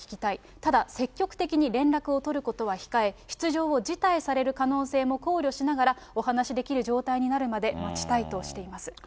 ただ、積極的に連絡を取ることは控え、出場を辞退される可能性も考慮しながら、お話しできる状態になるまで待ちたいとしています。